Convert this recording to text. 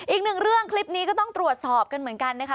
อีกหนึ่งเรื่องคลิปนี้ก็ต้องตรวจสอบกันเหมือนกันนะคะ